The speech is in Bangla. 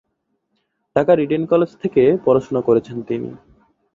ঢাকার ইডেন কলেজ থেকে পড়াশোনা করেছেন তিনি।